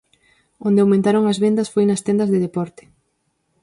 Onde aumentaron as vendas foi nas tendas de deporte.